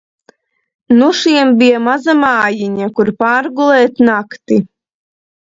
Nu šiem bija maza mājiņa, kur pārgulēt nakti.